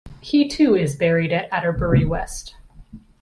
He too is buried at Adderbury West.